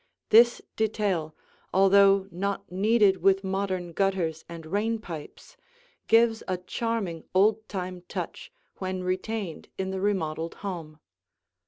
This detail, although not needed with modern gutters and rain pipes, gives a charming old time touch when retained in the remodeled home.